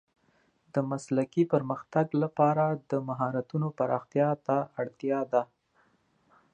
د مسلکي پرمختګ لپاره د مهارتونو پراختیا ته اړتیا ده.